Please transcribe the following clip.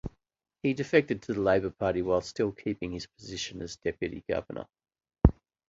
He defected to the Labour Party while still keeping his position as deputy governor.